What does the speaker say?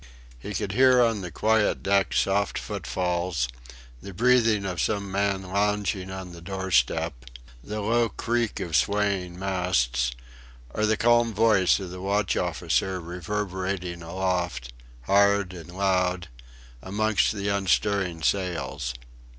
He could hear on the quiet deck soft footfalls, the breathing of some man lounging on the doorstep; the low creak of swaying masts; or the calm voice of the watch officer reverberating aloft, hard and loud, amongst the unstirring sails.